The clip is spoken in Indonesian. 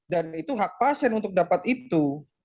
dan itu hak pasien untuk dapat itu